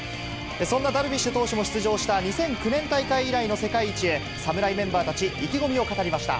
そんなダルビッシュ投手も出場した２００９年大会以来の世界一へ、侍メンバーたち、意気込みを語りました。